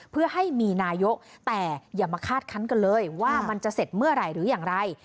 เพื่อให้มีนายกแต่อย่ามาคาดคันกันเลยว่ามันจะเสร็จเมื่อไหร่หรืออย่างไร